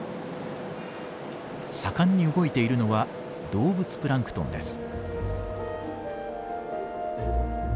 盛んに動いているのは動物プランクトンです。